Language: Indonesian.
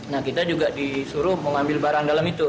nah kita juga disuruh mengambil barang dalam itu